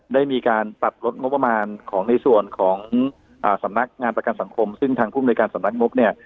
ได้มีการตัดลดงบประมาณของในส่วนของสำนักงานประกันสังคมซึ่งทางภูมิในการสำนักงบเนี่ย